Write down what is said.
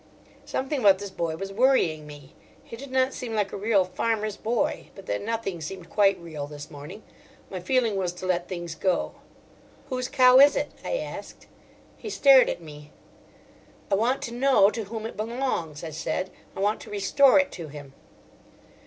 Something about this boy was worrying me. He did not seem like a real farmer's boy. But then nothing seemed quite real this morning. My feeling was to let things go. "Whose cow is it?" I asked. He stared at me. "I want to know to whom it belongs," I said. "I want to restore it to him."